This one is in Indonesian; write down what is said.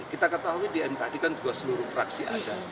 kita ketahui di mkd kan juga seluruh fraksi ada